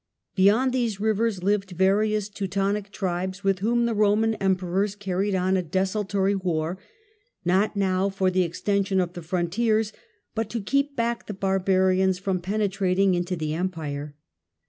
Beyond these rivers lived various Teutonic tribes with whom the Roman Emperors carried on a desultory war, not now for the extension of the frontiers, but to keep back the barbarians from penetrating into the Empire.